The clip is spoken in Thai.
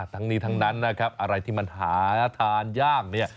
ทั้งนี้ทั้งนั้นนะครับอะไรที่มันหาทานยากเนี่ย